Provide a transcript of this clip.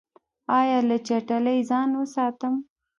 ایا له چټلۍ ځان وساتم؟